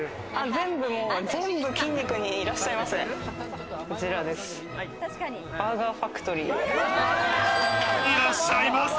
全部筋肉にいらっしゃいませ。